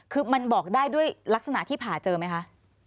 คือมันบอกได้ด้วยลักษณะที่ผ่าเจอไหมคะ